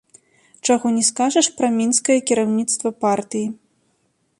Чаго не скажаш пра мінскае кіраўніцтва партыі.